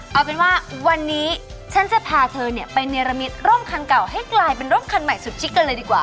เอาเป็นว่าวันนี้ฉันจะพาเธอไปเนรมิตร่มคันเก่าให้กลายเป็นร่มคันใหม่สุดชิคกันเลยดีกว่า